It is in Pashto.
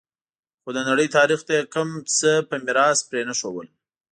خو د نړۍ تاریخ ته یې کوم څه په میراث پرې نه ښودل